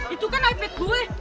itu kan ipad gue